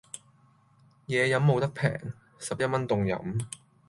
野飲無得平,十一蚊凍飲